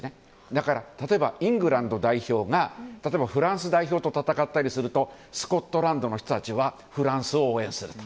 だから例えばイングランド代表がフランス代表と戦ったりするとスコットランドの人たちはフランスを応援する。